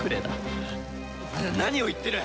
何を言ってる！？